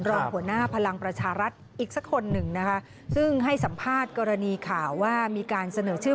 รองหัวหน้าพลังประชารัฐอีกสักคนหนึ่งนะคะซึ่งให้สัมภาษณ์กรณีข่าวว่ามีการเสนอชื่อ